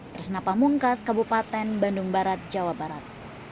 tersenapa mungkas kabupaten bandung barat jawa barat